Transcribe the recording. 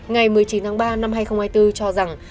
ngày một mươi chín tháng ba năm hai nghìn hai mươi bốn cho rằng